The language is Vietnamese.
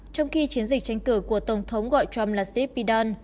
trong khi chiến dịch tranh cử của tổng thống gọi trump là sleepy don